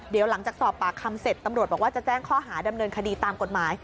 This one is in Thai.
เดี๋ยวหลังจากสอบปากคำเสร็จตำรวจบอกว่าจะแจ้งข้อหาดำเนินคดีตามกฎหมาย